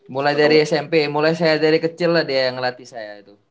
mulai dari smp mulai saya dari kecil lah dia yang ngelatih saya itu